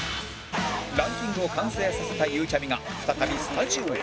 ランキングを完成させたゆうちゃみが再びスタジオへ